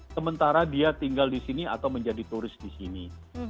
sementara dia tinggal di sini atau menjadi turis di sini